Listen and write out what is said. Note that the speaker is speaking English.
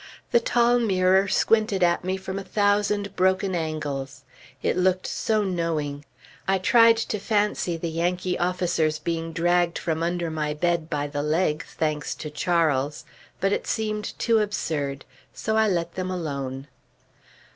The tall mirror squinted at me from a thousand broken angles. It looked so knowing! I tried to fancy the Yankee officers being dragged from under my bed by the leg, thanks to Charles; but it seemed too absurd; so I let them alone.